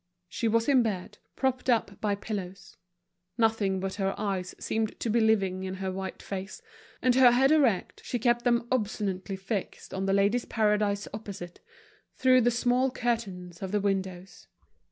She was in bed, propped up by the pillows. Nothing but her eyes seemed to be living in her white face, and, her head erect, she kept them obstinately fixed on The Ladies' Paradise opposite, through the small curtains of the windows.